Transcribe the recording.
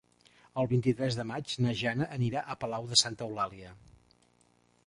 El vint-i-tres de maig na Jana anirà a Palau de Santa Eulàlia.